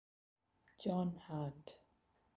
John Hand.